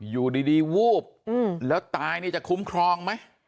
อยู่ดีวูบแล้วตายนี่จะคุ้มครองไหม